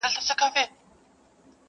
غلیمان د پایکوبونو به په ګور وي!